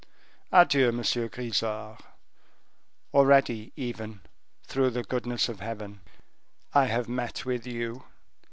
Adieu, Monsieur Grisart; already even, through the goodness of Heaven, I have met with you.